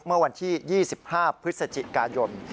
เมื่อวันที่๒๕พฤศจิกายน